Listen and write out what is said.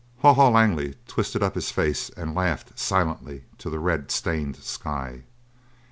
Haw Haw Langley twisted up his face and laughed, silently, to the red stained sky.